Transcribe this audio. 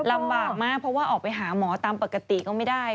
ลำบากมากเพราะว่าออกไปหาหมอตามปกติก็ไม่ได้